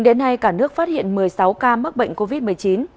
vì vậy đây là bản thân của tôi